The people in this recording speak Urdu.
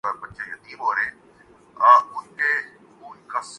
بہت عمدہ کتاب ہے۔